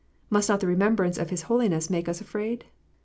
Must not the remembrance of His holiness make us afraid